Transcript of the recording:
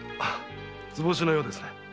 図星のようですね。